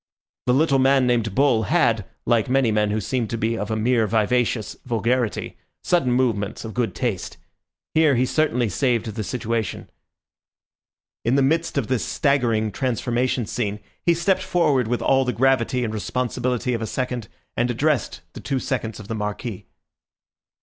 The little man named Bull, had, like many men who seem to be of a mere vivacious vulgarity, sudden movements of good taste. Here he certainly saved the situation. In the midst of this staggering transformation scene he stepped forward with all the gravity and responsibility of a second, and addressed the two seconds of the Marquis.